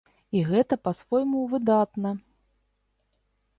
І гэта па-свойму выдатна.